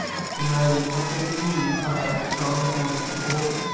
ona li pake lili, li pana e luka ona tawa jan Tu.